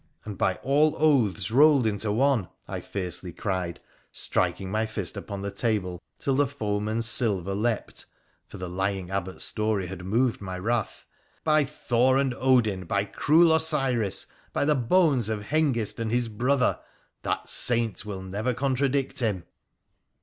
' And by all oaths rolled in one,' I fiercely cried, striking my fist upon the table till the foeman's silver leapt (for the lying Abbot's story had moved my wrath), ' by Thor and Odin, by cruel Osiris, by the bones of Hengist and his brother, that saint will never contradict him